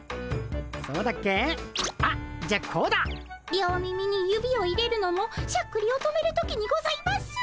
両耳に指を入れるのもしゃっくりを止める時にございます。